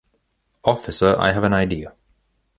officer, I have an idea